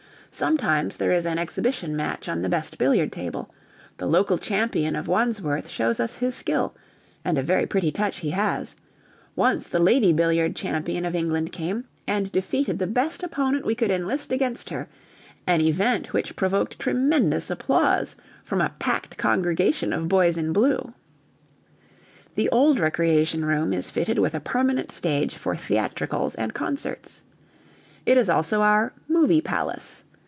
Sometimes there is an exhibition match on the best billiard table: the local champion of Wandsworth shows us his skill and a very pretty touch he has: once the lady billiard champion of England came, and defeated the best opponent we could enlist against her an event which provoked tremendous applause from a packed congregation of boys in blue. The old recreation room is fitted with a permanent stage for theatricals and concerts. It is also our "Movie Palace."